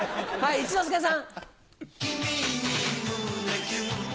一之輔さん！